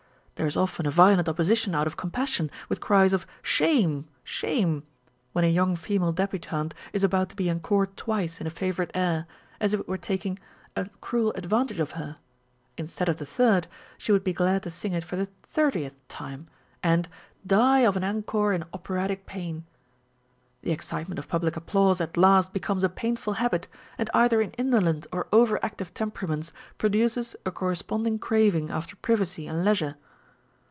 There is often a violent opposition out of compassion, with cries of " Shame, shame !" when a young female debutante is about to be encored twice in a favourite air, as if it were taking a 422 On Novelty and Familiarity. cruel advantage of her â€" instead of the third, she would be glad to sing it for the thirtieth time, and %i die of an encore in operatic pain !" The excitement of public applause at last becomes a painful habit, and either in indolent or over active temperaments produces a corre sponding craving after privacy and leisure.